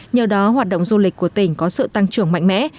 nhờ đó hoạt động du lịch của tỉnh có sự tăng trưởng mạnh mẽ